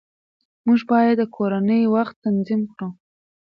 موږ باید د کورنۍ وخت تنظیم کړو